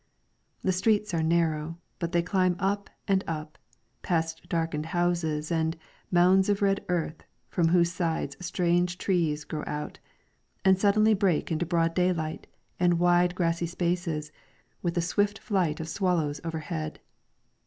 The streets are narrow, but they climb up and up, past darkened houses and * mounds of red earth from whose sides strange trees grow out,"* and suddenly break into broad daylight, and wide grassy spaces, with the swift flight of swallows overhead.